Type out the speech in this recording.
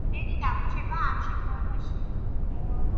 რამდენი დაგვრჩება ამ შემთხვევაში?